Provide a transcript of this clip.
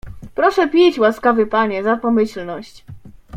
"Proszę pić, łaskawy panie, za pomyślność."